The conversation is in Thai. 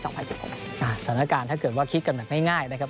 สถานการณ์ถ้าเกิดว่าคิดกันแบบง่ายนะครับ